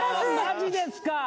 マジですか！